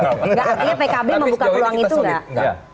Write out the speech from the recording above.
artinya pkb membuka peluang itu enggak